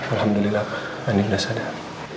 alhamdulillah anak udah sadar